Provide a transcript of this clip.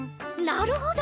なるほど！